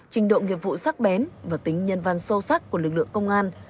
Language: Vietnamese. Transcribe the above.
trình độ nghiệp vụ sắc bén và tính nhân văn sâu sắc của lực lượng công an